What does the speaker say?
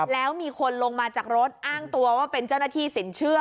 แล้วมีคนลงมาจากรถอ้างตัวว่าเป็นเจ้าหน้าที่สินเชื่อ